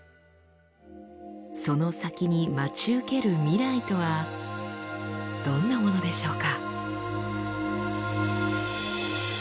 その先に待ち受ける未来とはどんなものでしょうか？